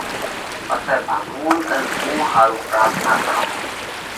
پسئہ ڀڳوونَ ڪنَ اُوئون ۿارُو پراٿنا ڪرونھ،